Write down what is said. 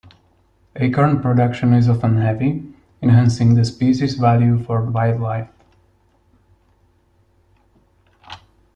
Acorn production is often heavy, enhancing the species' value for wildlife.